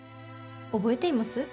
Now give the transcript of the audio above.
覚えています？